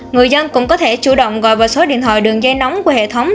người dân cũng có thể chủ động gọi vào số điện thoại đường dây nóng của hệ thống